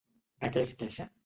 De què es queixa?